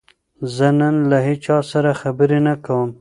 زه نن له هیچا سره خبرې نه کوم.